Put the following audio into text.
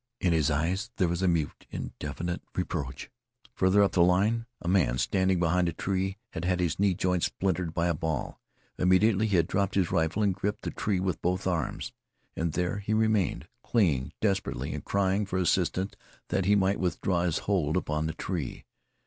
In his eyes there was mute, indefinite reproach. Farther up the line a man, standing behind a tree, had had his knee joint splintered by a ball. Immediately he had dropped his rifle and gripped the tree with both arms. And there he remained, clinging desperately and crying for assistance that he might withdraw his hold upon the tree.